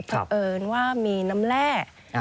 เพราะเอิญว่ามีน้ำแร่